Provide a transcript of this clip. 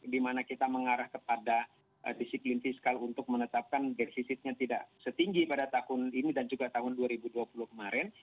dimana kita mengarah kepada disiplin fiskal untuk menetapkan defisitnya tidak setinggi pada tahun ini dan juga tahun dua ribu dua puluh kemarin